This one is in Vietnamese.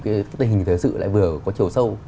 cái hình thế sự lại vừa có chiều sâu